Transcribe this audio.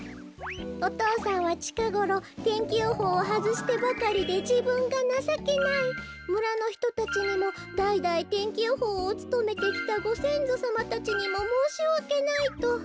お父さんは「ちかごろ天気予報をはずしてばかりでじぶんがなさけないむらのひとたちにもだいだい天気予報をつとめてきたごせんぞさまたちにももうしわけない」と。